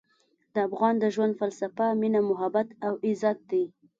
د افغان د ژوند فلسفه مینه، محبت او عزت دی.